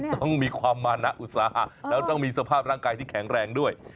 ต้องมีความมานะอุตสาหะแล้วต้องมีสภาพร่างกายที่แข็งแรงด้วย